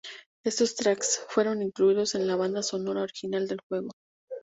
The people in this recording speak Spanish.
Esos tracks fueron incluidos en la Banda Sonora Original del juego.